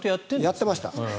やってました。